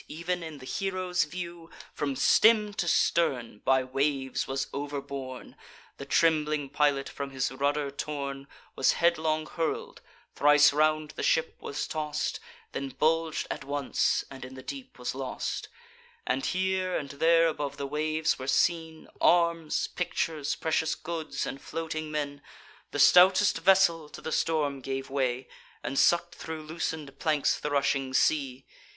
ev'n in the hero's view, From stem to stern by waves was overborne: The trembling pilot, from his rudder torn, Was headlong hurl'd; thrice round the ship was toss'd, Then bulg'd at once, and in the deep was lost; And here and there above the waves were seen Arms, pictures, precious goods, and floating men. The stoutest vessel to the storm gave way, And suck'd thro' loosen'd planks the rushing sea.